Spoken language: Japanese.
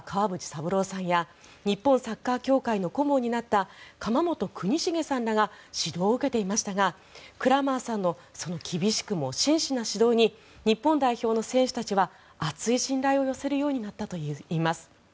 三郎さんや日本サッカー協会の顧問になった釜本邦茂さんらが指導を受けていましたがクラマーさんのその厳しくも真摯な指導に日本代表の選手たちは厚い信頼を寄せるようになったといいます。